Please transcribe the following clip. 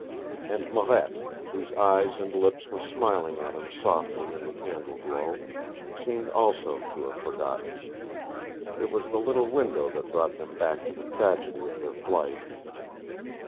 And Marette, whose eyes and lips were smiling at him softly in the candle glow, seemed also to have forgotten. It was the little window that brought them back to the tragedy of their flight.